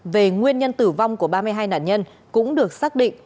về nguyên nhân tử vong của ba mươi hai nạn nhân cũng được xác định